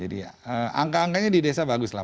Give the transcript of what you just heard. jadi angka angkanya di desa bagus lah